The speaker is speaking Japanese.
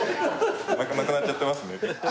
なくなっちゃってますね。